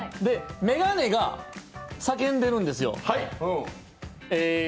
めがねが叫んでるんですよ。